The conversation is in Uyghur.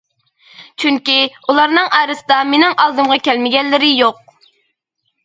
چۈنكى، ئۇلارنىڭ ئارىسىدا مېنىڭ ئالدىمغا كەلمىگەنلىرى يوق.